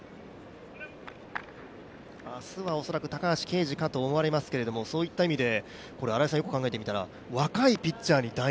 明日は恐らく高橋奎二かと思われますけどそういった意味で、よく考えてみたら、若いピッチャーに第２